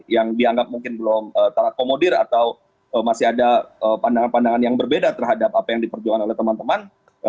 yang dianggap mungkin belum terakomodir atau masih ada pandangan pandangan yang berbeda terhadap apa yang diperjuangkan oleh teman teman